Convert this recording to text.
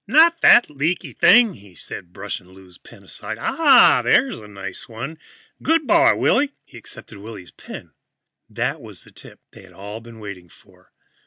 "Not that leaky thing," he said, brushing Lou's pen aside. "Ah, there's a nice one. Good boy, Willy." He accepted Willy's pen. That was the tip they had all been waiting for.